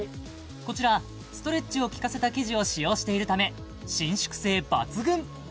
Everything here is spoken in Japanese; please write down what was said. こちらストレッチをきかせた生地を使用しているため伸縮性抜群！